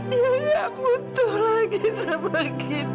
dia nggak butuh lagi sama kita